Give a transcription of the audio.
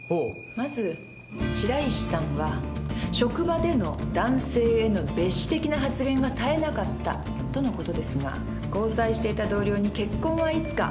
まず白石さんは職場での男性へのべっ視的な発言が絶えなかったとのことですが交際していた同僚に「結婚はいつか？」